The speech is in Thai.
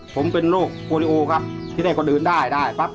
ผมเป็นลูกโฮเลีโอครับที่ได้ก็เดินได้ปั๊บ